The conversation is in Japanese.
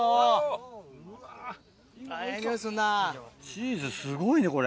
チーズすごいねこれ。